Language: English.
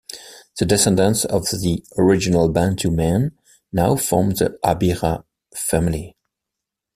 The descendants of the original Bantu men now form the Abira family.